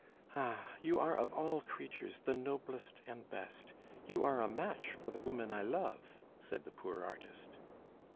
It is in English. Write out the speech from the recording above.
"Ah! you are of all creatures the noblest and best! You are a match for the woman I love," said the poor artist.